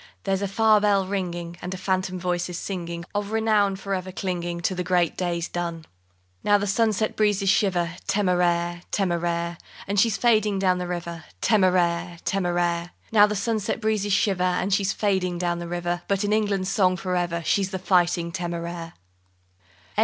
There's a far bell ringing, And a phantom voice is singing Of renown for ever clinging To the great days done. _Now the sunset breezes shiver, Téméraire! Téméraire! And she's fading down the river, Téméraire! Téméraire! Now the sunset breezes shiver, And she's fading down the river, But in England's song for ever She's the Fighting Téméraire.